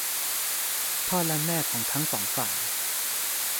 พ่อและแม่ของทั้งสองฝ่าย